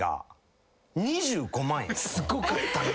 すごかったな。